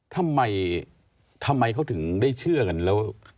ทำไมเขาถึงได้เชื่อกันแล้วลงกัน